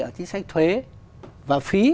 ở chính sách thuế và phí